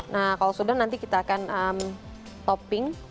nah kalau sudah nanti kita akan topping